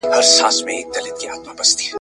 سپین ږیری حیات الله اوس ډېر غلی ناست دی.